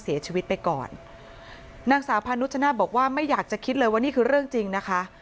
เสียชีวิตไปก่อนนางสาวพานุชชนาธิ์บอกว่าไม่อยากจะคิดเลยว่านี่คือเรื่องจริงนะคะ